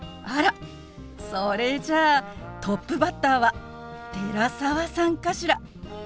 あらそれじゃあトップバッターは寺澤さんかしら？